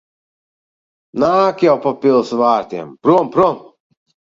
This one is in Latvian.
Nāk jau pa pils vārtiem. Prom! Prom!